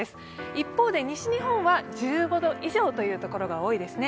一方で西日本は１５度以上という所が多いですね。